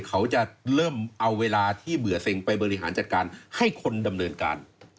เขาจะเริ่มเอาเวลาที่เบื่อเซ็งไปบริหารจัดการให้คนดำเนินการ